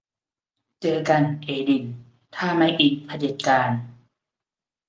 เจอกันเอดินถ้าไม่อินเผด็จการ